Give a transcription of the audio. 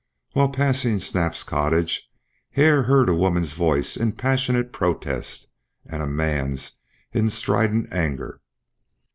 While passing Snap's cottage Hare heard a woman's voice in passionate protest and a man's in strident anger.